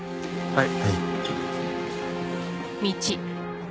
はい。